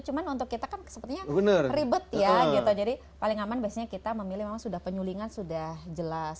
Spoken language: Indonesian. cuma untuk kita kan sepertinya ribet ya gitu jadi paling aman biasanya kita memilih memang sudah penyulingan sudah jelas